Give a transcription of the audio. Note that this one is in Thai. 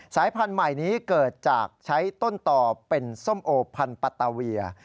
สายพันธุ์ใหม่นี้เกิดจากใช้ต้นต่อเป็นส้มโอพันธตาเวีย